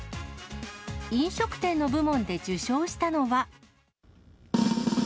飲食店の部門で受賞したのは。